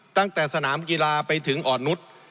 ตั้งแต่สนามกีฬาไปถึงอ่อนนุษย์